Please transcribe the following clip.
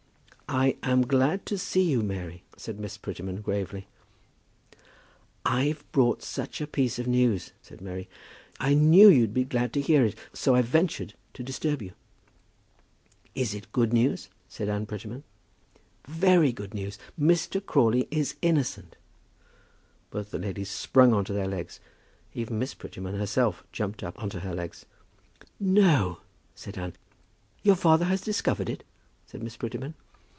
"I am glad to see you, Mary," said Miss Prettyman, gravely. "I've brought such a piece of news," said Mary. "I knew you'd be glad to hear it, so I ventured to disturb you." "Is it good news?" said Anne Prettyman. "Very good news. Mr. Crawley is innocent." Both the ladies sprung on to their legs. Even Miss Prettyman herself jumped up on to her legs. "No!" said Anne. "Your father has discovered it?" said Miss Prettyman.